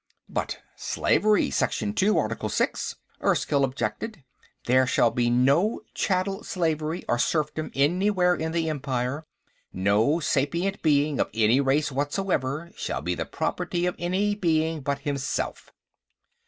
_" "But slavery.... Section Two, Article Six," Erskyll objected. "_There shall be no chattel slavery or serfdom anywhere in the Empire; no sapient being of any race whatsoever shall be the property of any being but himself.